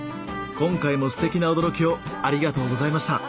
今回もすてきな驚きをありがとうございました。